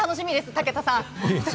武田さん！